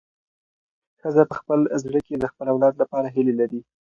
ښځه په خپل زړه کې د خپل اولاد لپاره هیلې لري.